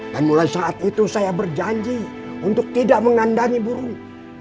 dan mulai saat itu saya berjanji untuk tidak mengandani burung